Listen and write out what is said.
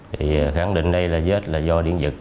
thì khẳng định đây là vết là do điện dực